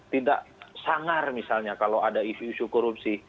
tidak sangar misalnya kalau ada isu isu korupsi